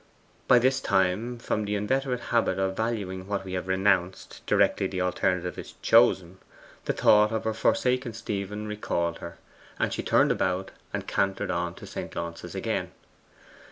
By this time, from the inveterate habit of valuing what we have renounced directly the alternative is chosen, the thought of her forsaken Stephen recalled her, and she turned about, and cantered on to St. Launce's again.